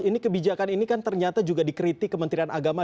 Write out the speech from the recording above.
ini kebijakan ini kan ternyata juga dikritik kementerian agama